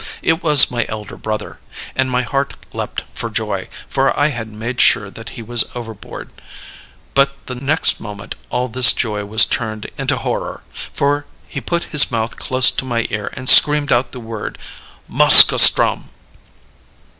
It was my elder brother and my heart leaped for joy, for I had made sure that he was overboard; but the next moment all this joy was turned into horror for he put his mouth close to my ear and screamed out the word 'Moskoe ström!'